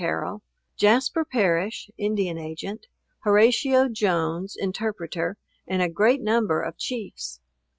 Carrol,) Jasper Parrish, Indian Agent, Horatio Jones, Interpreter, and a great number of Chiefs.